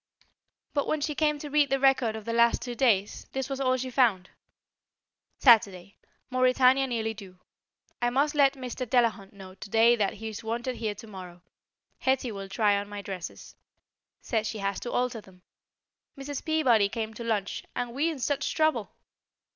But when she came to read the record of the last two days, this was all she found: Saturday: Mauretania nearly due. I must let Mr. Delahunt know today that he's wanted here to morrow. Hetty will try on my dresses. Says she has to alter them. Mrs. Peabody came to lunch, and we in such trouble!